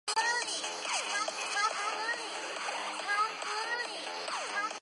皮哥特是一个位于美国阿肯色州克莱县的城市。